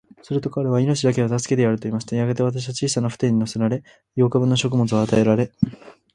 すると彼は、命だけは助けてやる、と言いました。やがて、私は小さな舟に一人乗せられ、八日分の食物を与えられ、